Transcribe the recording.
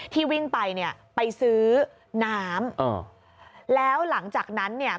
ที่วิ่งไปเนี่ยไปซื้อน้ำอ่าแล้วหลังจากนั้นเนี่ย